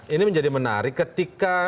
ini menjadi menarik ketika